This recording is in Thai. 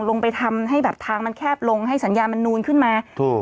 ลงไปทำให้แบบทางมันแคบลงให้สัญญามันนูนขึ้นมาถูก